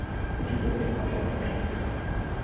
তিনি সুফিবাদের নকশবন্দি তরিকার সাথে যুক্ত ছিলেন।